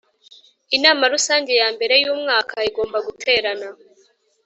Inama Rusange ya mbere y’umwaka igomba guterana